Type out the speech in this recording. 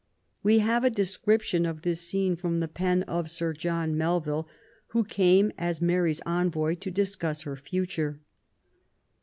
We have a description of this scene from the pen of Sir John Melville, who came as Mary's envoy to discuss her future.